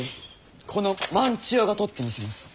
この万千代が取ってみせます。